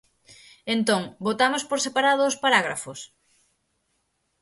Entón ¿votamos por separado os parágrafos?